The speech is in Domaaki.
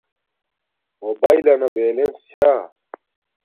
موباݵلنا بلینس چھا